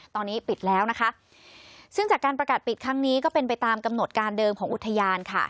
ตอนนี้ปิดแล้วนะคะซึ่งจากการประกาศปิดครั้งนี้ก็เป็นไปตามกำหนดการเดิมของอุทยานค่ะ